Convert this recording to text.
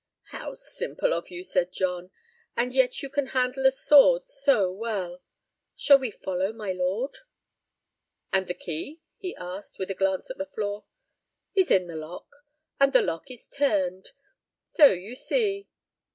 "How simple of you, Sir John. And yet you can handle a sword so well. Shall we follow my lord?" "And the key?" he asked, with a glance at the floor. "Is in the lock. And the lock is turned. So you see!"